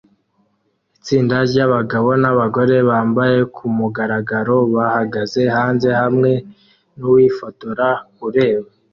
Itsinda ryabagabo nabagore bambaye kumugaragaro bahagaze hanze hamwe nuwifotora ureba